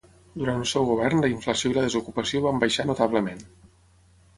Durant el seu govern la inflació i la desocupació van baixar notablement.